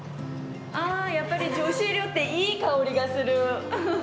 やっぱり女子寮っていい香りがする。